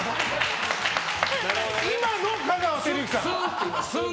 今の香川照之さん。